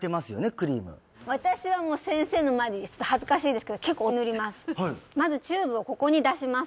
クリーム私はもう先生の前でちょっと恥ずかしいですけどまずチューブをここに出します